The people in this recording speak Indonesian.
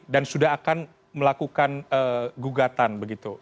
dan sudah akan melakukan gugatan begitu